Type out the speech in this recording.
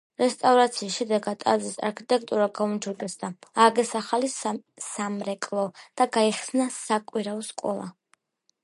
რესტავრაციის შედეგად ტაძრის არქიტექტურა გაუმჯობესდა, ააგეს ახალი სამრეკლო და გაიხსნა საკვირაო სკოლა.